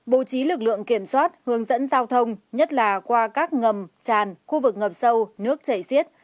bố trí lực lượng kiểm soát hướng dẫn giao thông nhất là qua các ngầm tràn khu vực ngập sâu nước chảy xiết